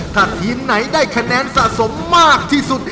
ถ้าทีมไหนได้คะแนนสะสมมากที่สุด